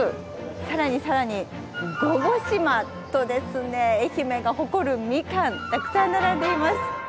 更に更に興居島とですね愛媛が誇るみかんたくさん並んでいます！